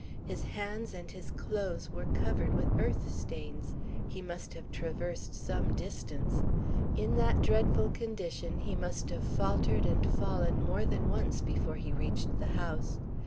His hands and his clothes were covered with earth stains. He must have traversed some distance; in that dreadful condition he must have faltered and fallen more than once before he reached the house.